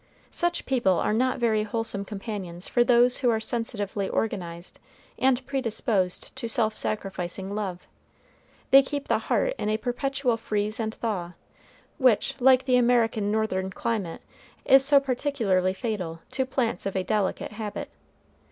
Such people are not very wholesome companions for those who are sensitively organized and predisposed to self sacrificing love. They keep the heart in a perpetual freeze and thaw, which, like the American northern climate, is so particularly fatal to plants of a delicate habit.